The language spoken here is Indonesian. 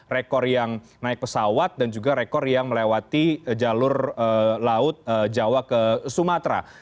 rekor yang naik pesawat dan juga rekor yang melewati jalur laut jawa ke sumatera